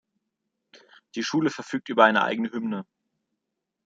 Die Schule verfügt über eine eigene Hymne.